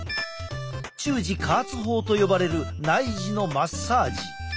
中耳加圧法と呼ばれる内耳のマッサージ。